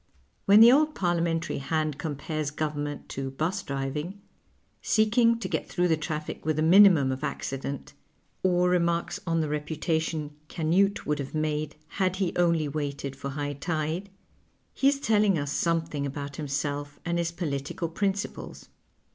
When the old Parliamentary hand compares govern ment to 'bus driving, seeking to get through the traffic with the minimum of accident, or remarks on the reputation Canute would have made had he only waited for high tide, he is telling us something about himself and his political principles.